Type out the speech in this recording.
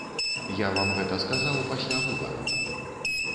Я вам гэта сказаў пасля выбараў.